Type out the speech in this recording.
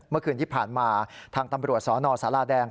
เมื่อคืนที่ผ่านมาทางตำรวจสนสาราแดง